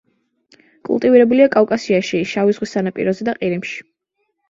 კულტივირებულია კავკასიაში შავი ზღვის სანაპიროზე და ყირიმში.